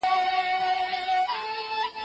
حکومت به پر ټولنيزو ځواکونو واکمني ولري.